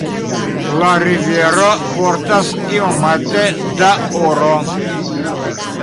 La rivero portas iomete da oro.